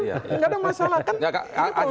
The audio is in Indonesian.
tidak ada masalah